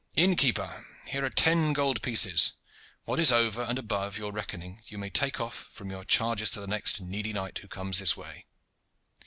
Inn keeper, here are ten gold pieces. What is over and above your reckoning you may take off from your charges to the next needy knight who comes this way.